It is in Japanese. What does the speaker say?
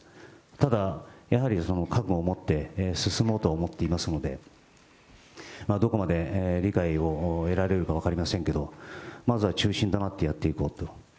ただ、やはりその覚悟を持って進もうとは思っていますので、どこまで理解を得られるか分かりませんけど、まずは中心となってやっていこうと。